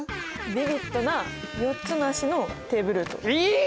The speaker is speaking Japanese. ビビッドな４つの脚のテーブルート！いいね！